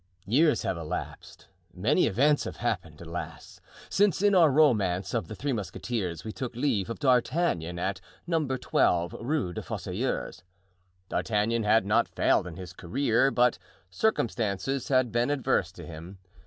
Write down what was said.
Years have elapsed, many events have happened, alas! since, in our romance of "The Three Musketeers," we took leave of D'Artagnan at No. 12 Rue des Fossoyeurs. D'Artagnan had not failed in his career, but circumstances had been adverse to him.